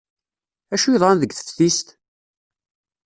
Acu yeḍran deg teftist?